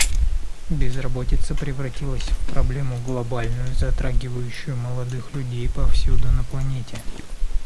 Безработица превратилась в проблему глобальную, затрагивающую молодых людей повсюду на планете.